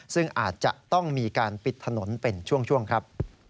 ซึ่งอาจจะต้องมีการปิดถนนเป็นช่วงครับ